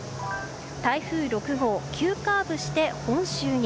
台風６号、急カーブして本州に。